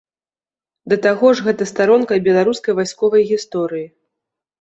Да таго ж гэта старонка і беларускай вайсковай гісторыі.